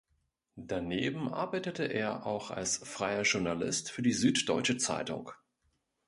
Daneben arbeitete er auch als freier Journalist für die Süddeutsche Zeitung.